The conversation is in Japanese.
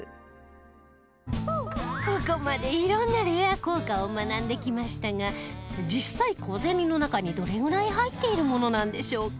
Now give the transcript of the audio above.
ここまで、いろんなレア硬貨を学んできましたが実際、小銭の中にどれぐらい入っているものなんでしょうか